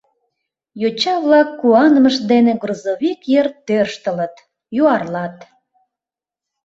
Йоча-влак куанымышт дене грузовик йыр тӧрштылыт, юарлат: